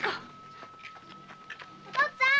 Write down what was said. お父っつぁん！